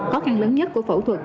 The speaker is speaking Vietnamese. khó khăn lớn nhất của phẫu thuật